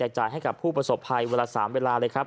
จ่ายให้กับผู้ประสบภัยเวลา๓เวลาเลยครับ